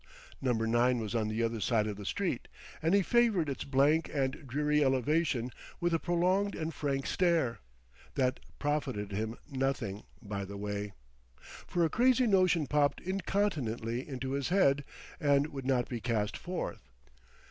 Number 9 was on the other side of the street; and he favored its blank and dreary elevation with a prolonged and frank stare that profited him nothing, by the way. For a crazy notion popped incontinently into his head, and would not be cast forth.